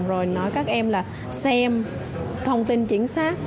rồi nói các em là xem thông tin chính xác